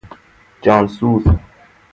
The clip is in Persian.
جان سوز